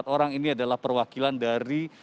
empat orang ini adalah perwakilan dari